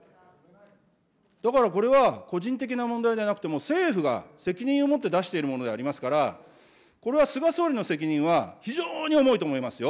だから、これは個人的な問題じゃなくて、もう政府が責任を持って出しているものでありますから、これは菅総理の責任は非常に重いと思いますよ。